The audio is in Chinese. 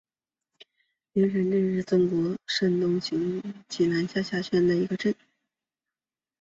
梁山镇是中国山东省济宁市梁山县下辖的一个镇。